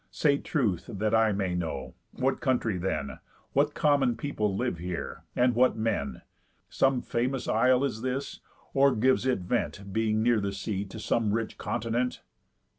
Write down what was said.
Say truth, that I may know, what country then, What common people live here, and what men? Some famous isle is this? Or gives it vent, Being near the sea, to some rich continent?"